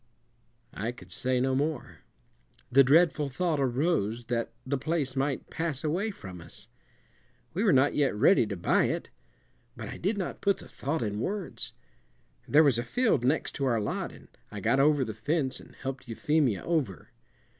I could say no more. The dreadful thought arose that the place might pass away from us. We were not yet ready to buy it. But I did not put the thought in words. There was a field next to our lot, and I got over the fence and helped Euphemia over.